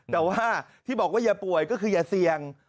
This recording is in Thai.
แต่ว่าที่บอกว่าอย่าป่วยก็คืออย่าเสี่ยง